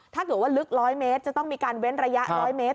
ถ้าเกิดว่าลึก๑๐๐เมตรจะต้องมีการเว้นระยะ๑๐๐เมตร